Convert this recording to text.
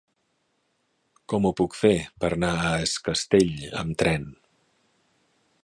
Com ho puc fer per anar a Es Castell amb tren?